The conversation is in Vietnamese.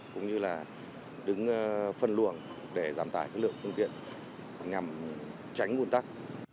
cũng như là đứng phân luồng để giảm tải những lượng phương tiện nhằm tránh gây hùng tắc